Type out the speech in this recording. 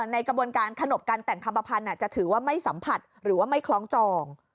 ในกระบวนการขนบการแต่งคำประพันธ์จะถือว่าไม่สัมผัสหรือว่าไม่คล้องจอง